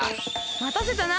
またせたな！